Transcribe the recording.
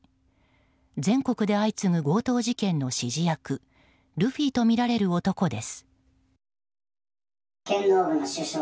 全国で相次ぐ強盗事件の指示役ルフィとみられる男です。